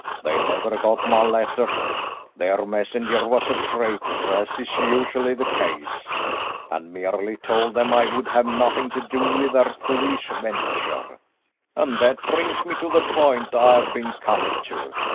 They never got my letter. Their messenger was a traitor, as is usually the case, and merely told them I would have nothing to do with their foolish venture; and that brings me to the point I have been coming to.